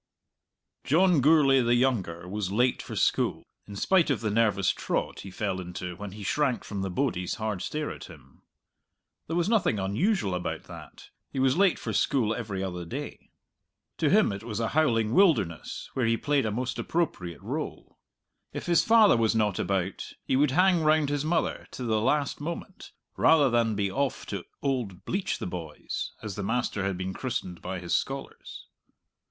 John Gourlay the younger was late for school, in spite of the nervous trot he fell into when he shrank from the bodies' hard stare at him. There was nothing unusual about that; he was late for school every other day. To him it was a howling wilderness where he played a most appropriate rôle. If his father was not about he would hang round his mother till the last moment, rather than be off to old "Bleach the boys" as the master had been christened by his scholars.